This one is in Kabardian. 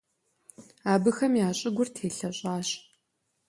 Абыхэми я щыгур телъэщӀащ.